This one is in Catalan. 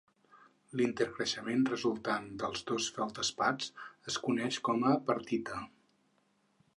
L'intercreixement resultant del dos feldespats es coneix com a perthita.